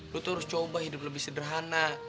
lu tuh harus coba hidup lebih sederhana